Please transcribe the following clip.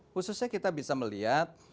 khususnya kita bisa melihat